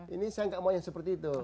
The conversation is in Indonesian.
ini saya nggak mau yang seperti itu